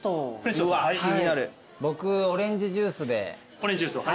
オレンジジュースを。